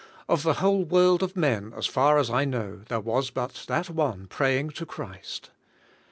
Of the whole world of men as far as I know, there was but that one praying to Christ.